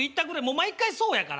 毎回そうやから。